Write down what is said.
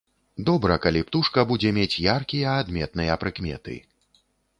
Добра, калі птушка будзе мець яркія адметныя прыкметы.